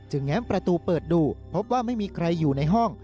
แง้มประตูเปิดดูพบว่าไม่มีใครอยู่ในห้อง